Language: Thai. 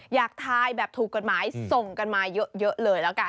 อยากทายแบบถูกกฎหมายส่งกันมาเยอะเลยแล้วกัน